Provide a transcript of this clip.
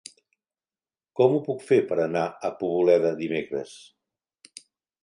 Com ho puc fer per anar a Poboleda dimecres?